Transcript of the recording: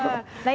nah ini tadi